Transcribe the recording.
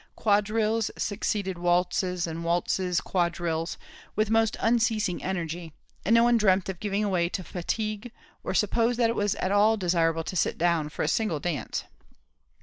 Quadrilles succeeded waltzes, and waltzes quadrilles, with most unceasing energy; and no one dreamt of giving way to fatigue, or supposed that it was at all desirable to sit down for a single dance.